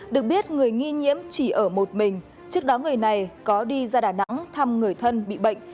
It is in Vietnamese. được biết người nghi nhiễm chỉ ở một mình trước đó người này có đi ra đà nẵng thăm người thân bị bệnh